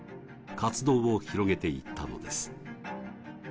活動を広げていったのです。